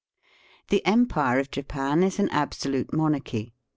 The empire of Japan is an absolute monarchy.